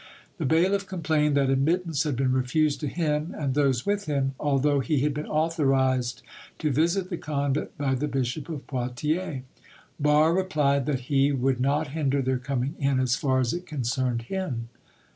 The bailiff complained that admittance had been refused to him and those with him, although he had been authorised to visit the convent by the Bishop of Poitiers. Barre' replied that he would not hinder their coming in, as far as it concerned him.